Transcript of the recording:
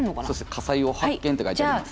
「火災を発見」って書いてあります。